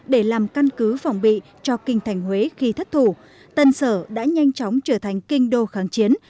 để làm căn cứ phòng bị cho kinh thành huế khi thất thủ tân sở đã nhanh chóng trở thành kinh đô kháng chiến